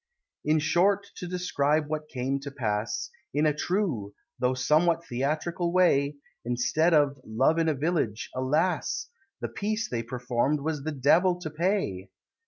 In short, to describe what came to pass In a true, though somewhat theatrical way, Instead of "Love in a Village" alas! The piece they perform'd was "The Devil to Pay!"